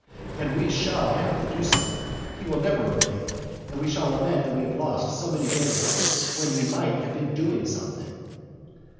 And we shall have to do so. He will never obey. And we shall lament that we have lost so many days, when we might have been doing something.